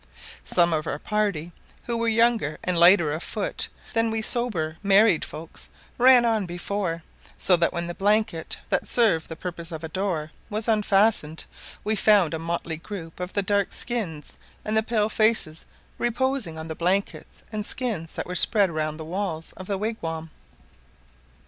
Some of our party, who were younger and lighter of foot than we sober married folks, ran on before; so that when the blanket, that served the purpose of a door, was unfastened, we found a motley group of the dark skins and the pale faces reposing on the blankets and skins that were spread round the walls of the wigwam.